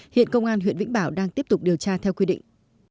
hiện công an huyện vĩnh bảo đang tiếp tục điều tra theo quy định